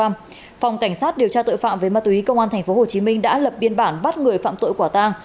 phòng cảnh sát điều tra tội phạm về ma túy công an tp hcm đã lập biên bản bắt người phạm tội quả tang